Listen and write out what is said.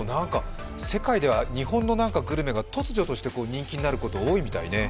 世界では日本のグルメが突如して人気になること多いみたいね。